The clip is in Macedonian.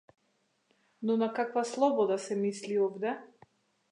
Но на каква слобода се мисли овде?